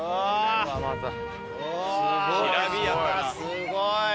すごい！